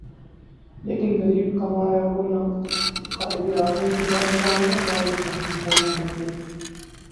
لیکن غریب کہاں ہے وہ نہ توقائد اعظم کو جانتا ہوگا نا ہی پاکستان کے مطلب کو